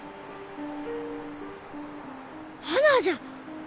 花じゃ！